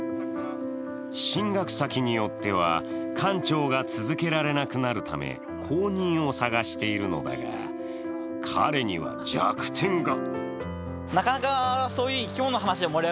進学先によっては、館長が続けられなくなるため後任を探しているのだが、彼には弱点が。